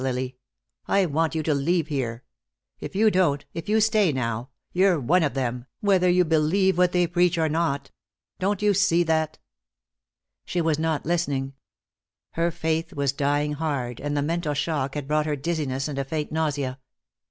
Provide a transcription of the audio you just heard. Lily, I want you to leave here. If you don't, if you stay now, you're one of them, whether you believe what they preach or not. Don't you see that?" She was not listening. Her faith was dying hard, and the mental shock had brought her dizziness and a faint nausea.